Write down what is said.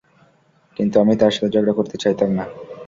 কিন্তু আমি তার সাথে ঝগড়া করতে চাইতাম না।